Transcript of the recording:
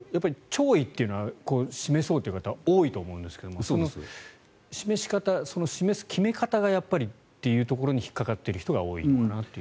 亡くなられた状況を見ても弔意というのは示そうという方は多いと思うんですが示し方、示す決め方がやっぱりというところに引っかかっている人が多いのかなと。